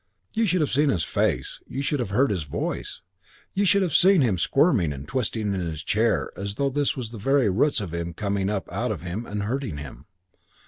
"You should have seen his face; you should have heard his voice; you should have seen him squirming and twisting in his chair as though this was the very roots of him coming up out of him and hurting him.